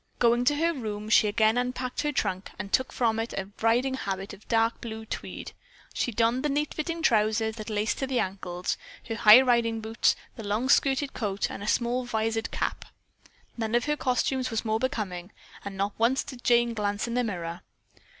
Going to her room, she again unpacked her trunk and took from it a riding habit of dark blue tweed. She donned the neat fitting trousers that laced to the ankles, her high riding boots, the long skirted coat and a small visored cap. None of her costumes was more becoming, but not once did Jane glance in the mirror.